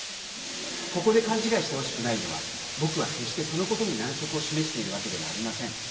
ここで勘違いしてほしくないのは僕は、決してそのことに難色を示しているわけではありません。